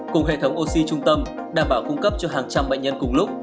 cùng hệ thống oxy trung tâm đảm bảo cung cấp cho hàng trăm bệnh nhân cùng lúc